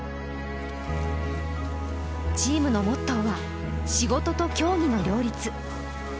チームのモットーは「仕事と競技の両立」。